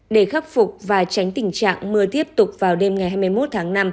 để khắc phục và tránh tình trạng mưa tiếp tục vào đêm ngày hai mươi một tháng năm